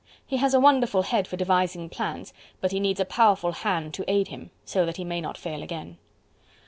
He has a wonderful head for devising plans, but he needs a powerful hand to aid him, so that he may not fail again.